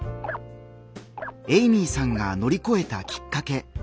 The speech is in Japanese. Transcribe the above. エイミーさんが乗り越えたきっかけ